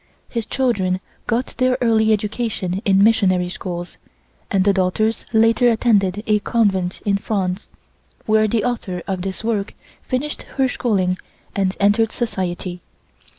His children got their early education in missionary schools, and the daughters later attended a convent in France, where the author of this work finished her schooling and entered society.